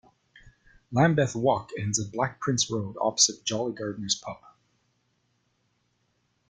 Lambeth Walk ends at Black Prince Road, opposite the Jolly Gardeners pub.